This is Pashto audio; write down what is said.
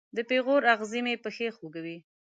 د پیغور اغزې مې پښې خوږوي